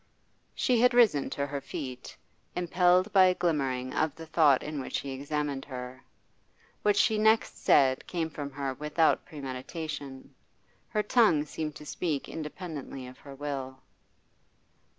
She had risen to her feet, impelled by a glimmering of the thought in which he examined her. What she next said came from her without premeditation. Her tongue seemed to speak independently of her will.